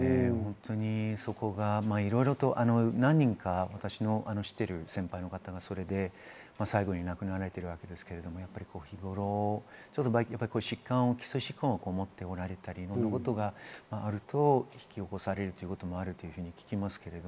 そこがいろいろと、何人か私の知っている先輩の方がそれで最後、亡くなったわけですけれども、日頃、基礎疾患を持っておられたりすることがあると、引き起こされることもあると聞きます。